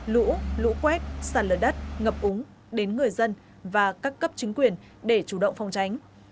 lũ lũ quét sạt lở đất ngập úng đến người dân và các cấp chính quyền để chủ động phòng tránh